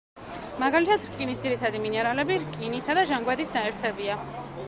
მაგალითად რკინის ძირითადი მინერალები, რკინისა და ჟანგბადის ნაერთებია.